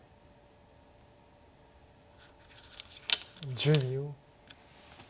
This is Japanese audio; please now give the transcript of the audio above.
１０秒。